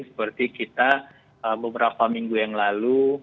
seperti kita beberapa minggu yang lalu